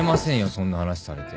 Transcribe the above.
そんな話されて。